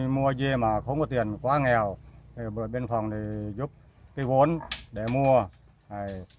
mua dây mà không có tiền quá nghèo bộ đội biên phòng giúp cái vốn để mua